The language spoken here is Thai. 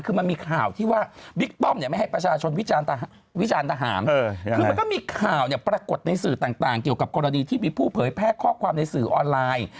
คือมันก็มีข่าวปรากฎในสื่อต่างเกี่ยวกับกรณีที่มีผู้เผยแพร่ข้อความในสื่อออนไลน์